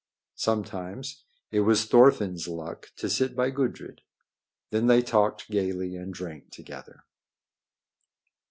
Sometimes it was Thorfinn's luck to sit by Gudrid. Then they talked gaily and drank together.